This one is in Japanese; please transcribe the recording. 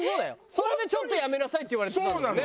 それで「ちょっとやめなさい」って言われてたんだもんね。